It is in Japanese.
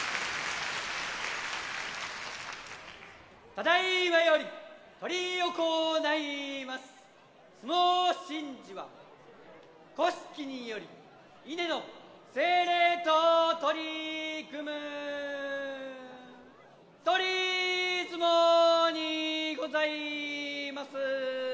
ただいまより執り行います相撲神事は古式により稲の精霊と取り組む一人角力にございます。